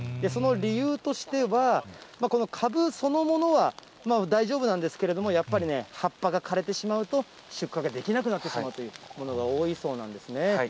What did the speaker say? その理由としては、この株そのものは大丈夫なんですけれども、やっぱりね、葉っぱが枯れてしまうと、出荷ができなくなってしまうというものが多いそうなんですね。